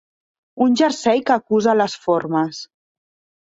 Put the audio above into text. Un jersei que acusa les formes.